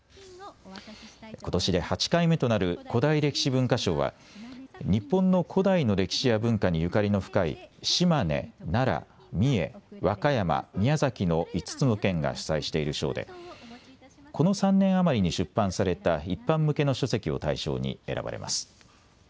ことしで８回目となる古代歴史文化賞は日本の古代の歴史や文化にゆかりの深い島根、奈良、三重、和歌山、宮崎の５つの県が主催している賞でこの３年余りに出版された一般向けの書籍を対象に選ばれます。